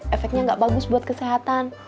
efeknya nggak bagus buat kesehatan